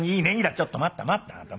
「ちょっと待った待ったあなた。